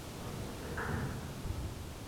尤以法国敦煌学着称。